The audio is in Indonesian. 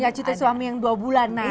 ya cuti suami yang dua bulan nah